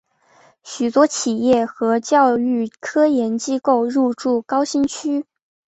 众多企业和教育科研机构入驻高新区。